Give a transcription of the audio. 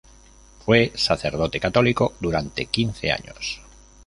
Fue sacerdote católico durante quince años.